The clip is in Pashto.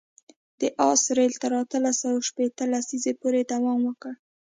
د آس رېل تر اتلس سوه شپېته لسیزې پورې دوام وکړ.